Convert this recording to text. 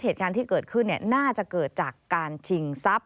เหตุการณ์ที่เกิดขึ้นน่าจะเกิดจากการชิงทรัพย